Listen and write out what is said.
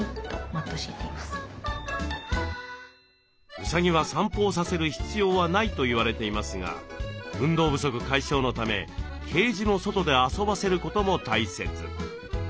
うさぎは散歩をさせる必要はないと言われていますが運動不足解消のためケージの外で遊ばせることも大切。